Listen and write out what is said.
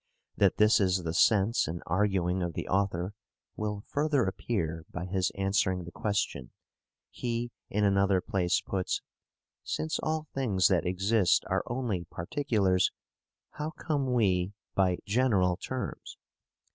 That this is the sense and arguing of the author will further appear by his answering the question he in another place puts: 'Since all things that exist are only particulars, how come we by general terms?'